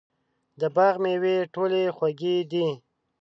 د باغ مېوې ټولې خوږې دي.